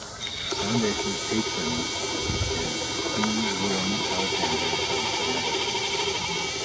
The Foundation's patron is King Willem-Alexander of the Netherlands.